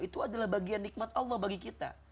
itu adalah bagian nikmat allah bagi kita